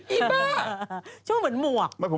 อีบ้าชื่อว่าเหมือนหมวก